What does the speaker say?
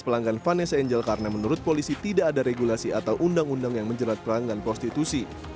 pelanggan vanessa angel karena menurut polisi tidak ada regulasi atau undang undang yang menjerat pelanggan prostitusi